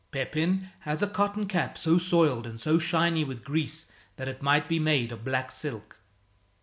Pepin has a cotton cap so soiled and so shiny with grease that it might be made of black silk.